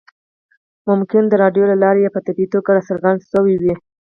ممکن د رایو له لارې یا په طبیعي توګه راڅرګند شوی وي.